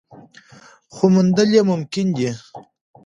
خو موندل یې ممکن دي.